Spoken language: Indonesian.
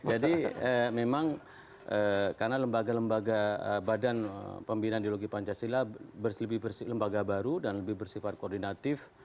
jadi memang karena lembaga lembaga badan pembinan ideologi pancasila lebih bersifat lembaga baru dan lebih bersifat koordinatif